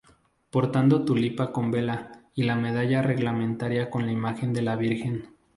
Portando tulipa con vela y la medalla reglamentaria con la imagen de la Virgen.